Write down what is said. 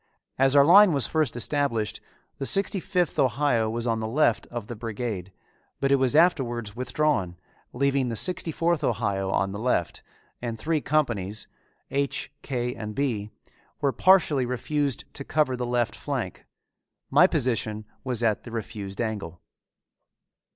As our line was first established the Sixty fifth Ohio was on the left of the brigade, but it was afterwards withdrawn, leaving the Sixty fourth Ohio on the left and three companies, H, K, and B, were partially refused to cover the left flank. My position was at the refused angle.